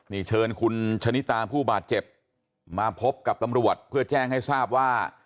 นี่เชิญคุณชะนิตาผู้บาดเจ็บมาพบกับตำรวจเพื่อแจ้งให้ทราบว่า